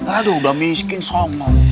aduh udah miskin sobrang